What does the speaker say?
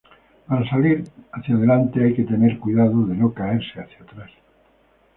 Para salir hacia delante hay que tener cuidado de no caerse hacia atrás.